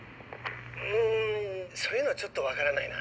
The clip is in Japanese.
うんそういうのはちょっと分からないな。